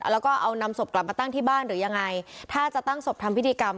แล้วก็เอานำศพกลับมาตั้งที่บ้านหรือยังไงถ้าจะตั้งศพทำพิธีกรรม